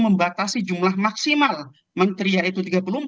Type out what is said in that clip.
membatasi jumlah maksimal menteri yaitu tiga puluh empat